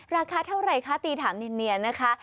ราคาเท่าไหร่คะตีถามเนียนนะคะ